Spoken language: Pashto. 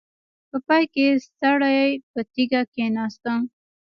په پای کې ستړې په تيږه کېناسته.